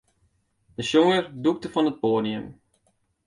De sjonger dûkte fan it poadium.